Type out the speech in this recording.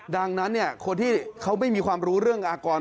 ดังนั้นคนที่เขาไม่มีความรู้เรื่องอากร